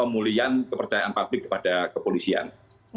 dan pemulihan kepercayaan publik kepada kepolisian